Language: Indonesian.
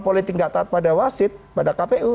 politik gak taat pada wasit pada kpu